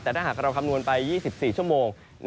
แต่ถ้าหากเราคำนวณไป๒๔ชั่วโมง